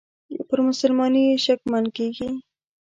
پر مسلماني یې شکمن کیږي.